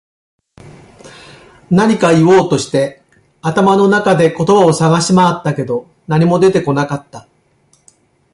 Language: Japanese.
何かを言おうとして、頭の中で言葉を探し回ったけど、何も出てこなかった。